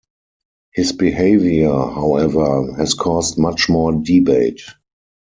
His behaviour, however, has caused much more debate.